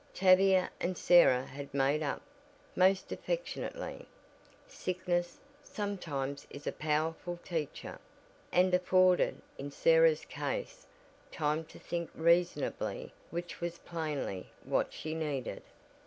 Tavia and Sarah had "made up" most affectionately. Sickness, sometimes is a powerful teacher, and afforded, in Sarah's case, time to think reasonably which was plainly what she needed.